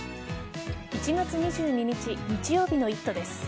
１月２２日日曜日の「イット！」です。